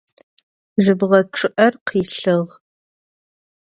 Jıbğe ççı'er khilhığ.